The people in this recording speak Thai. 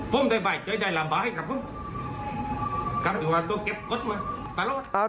ผมได้บ่ายจะได้ลำบายครับผมครับอย่าต้องเก็บกดมาปะละวะ